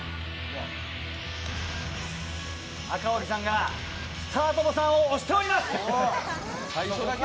赤荻さんがスタートボタンを押しております！